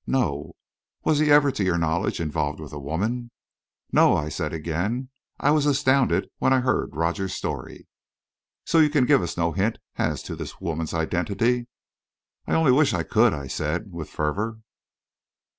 "No." "Was he ever, to your knowledge, involved with a woman?" "No," I said again. "I was astounded when I heard Rogers's story." "So you can give us no hint as to this woman's identity?" "I only wish I could!" I said, with fervour.